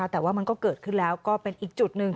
แต่ว่ามันก็เกิดขึ้นแล้วก็เป็นอีกจุดหนึ่ง